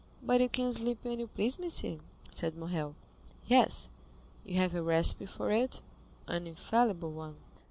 "But you can sleep when you please, monsieur?" said Morrel. "Yes." "You have a recipe for it?" "An infallible one."